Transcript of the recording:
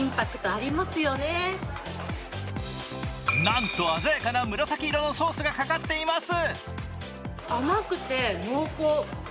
なんと鮮やかな紫色のソースがかかっています。